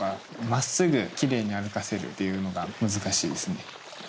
真っすぐキレイに歩かせるっていうのが難しいですね。